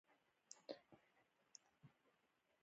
د وریجو اندازه یوازې زر کیلو ګرامه ده.